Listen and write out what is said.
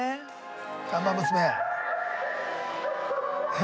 看板娘。へ？